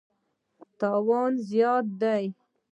تاوان زیان دی.